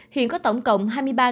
hiện có tổng cộng